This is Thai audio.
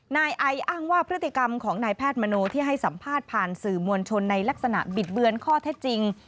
นายไออ้างว่าพฤติกรรมของนายแพทย์มโนที่ให้สัมภาษณ์ผ่านสื่อมวลชนในลักษณะบิดเบือนข้อเท็จจริง